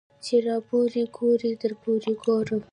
ـ چې راپورې ګورې درپورې ګورم.